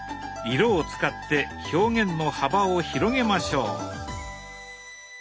色を使って表現の幅を広げましょう。